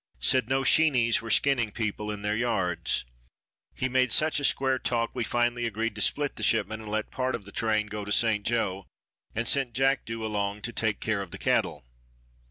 Said no Sheenies were skinning people in their yards. He made such a square talk we finally agreed to split the shipment and let part of the train go to St. Joe, and sent Jackdo along to take care of the cattle.